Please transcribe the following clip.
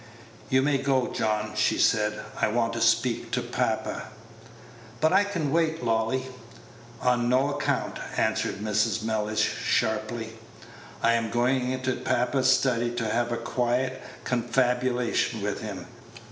"You may go, John," she said; "I want to speak to papa." "But I can wait, Lolly." "On no account," answered Mrs. Mellish, sharply. "I am going into papa's study to have a quiet confabulation with him.